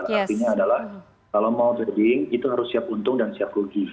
artinya adalah kalau mau trading itu harus siap untung dan siap rugi